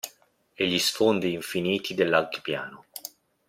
E gli sfondi infiniti dell'altipiano.